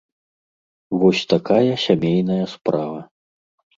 Вось такая сямейная справа.